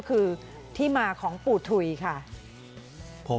ดูหน้าปู่ถุยกันหน่อยค่ะ